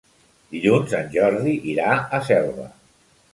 Dilluns en Jordi irà a Selva.